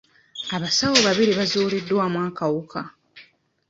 Abasawo babiri baazuuliddwamu akawuka.